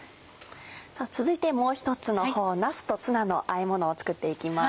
さぁ続いてもう一つの方なすとツナのあえものを作っていきます。